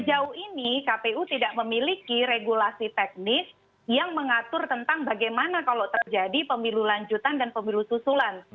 sejauh ini kpu tidak memiliki regulasi teknis yang mengatur tentang bagaimana kalau terjadi pemilu lanjutan dan pemilu susulan